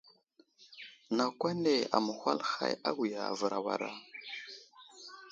Nakw ane aməhwal hay awiya, avər awara.